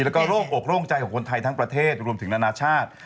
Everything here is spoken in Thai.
แล้วก็โร่งอกโล่งใจของคนไทยทั้งประเทศรวมถึงนานาชาติ